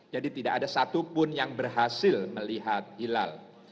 jadi tidak ada satu pun yang berhasil melihat hilal